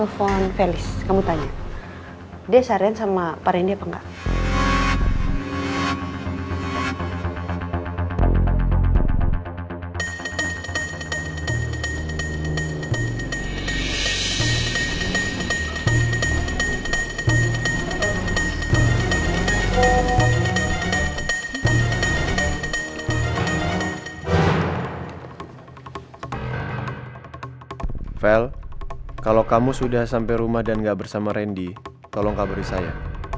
file kalau kamu sudah sampai rumah dan gak bersama rendy tolong kaburi saya